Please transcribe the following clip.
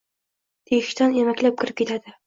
Teshikdan emaklab kirib ketadi.